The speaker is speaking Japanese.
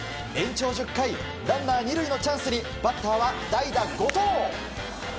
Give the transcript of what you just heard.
延長１０回ランナー２塁のチャンスにバッターは代打、後藤。